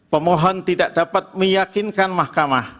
pemohon tidak dapat meyakinkan mahkamah